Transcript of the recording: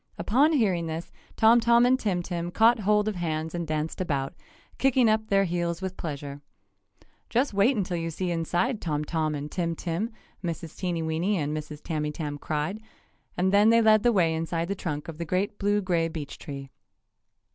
Upon hearing this Tom Tom and Tim Tim caught hold of hands and danced about, kicking up their heels with pleasure. "Just wait until you see inside, Tom Tom and Tim Tim!" Mrs. Teenyweeny and Mrs. Tamytam cried, and then they led the way inside the trunk of the great blue gray beech tree.